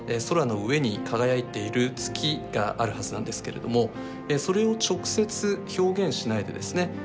空の上に輝いている月があるはずなんですけれどもそれを直接表現しないでですね